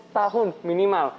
satu tahun minimal